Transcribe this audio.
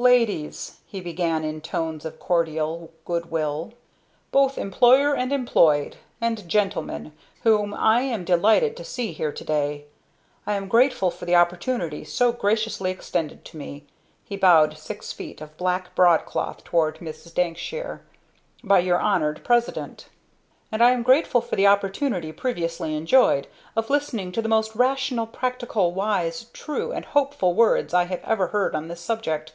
"Ladies," he began in tones of cordial good will, "both employer and employed! and gentlemen whom I am delighted to see here to day! I am grateful for the opportunity so graciously extended to me" he bowed six feet of black broadcloth toward Mrs. Dankshire "by your honored President. "And I am grateful for the opportunity previously enjoyed, of listening to the most rational, practical, wise, true and hopeful words I have ever heard on this subject.